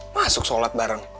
masuk sholat bareng